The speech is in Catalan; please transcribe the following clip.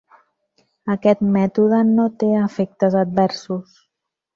Aquest mètode no té efectes adversos.